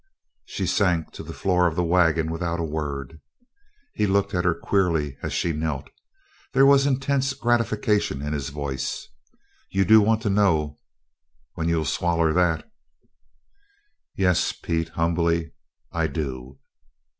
She sank to the floor of the wagon without a word. He looked at her queerly as she knelt. There was intense gratification in his voice, "You do want to know, when you'll swaller that." "Yes, Pete," humbly, "I do."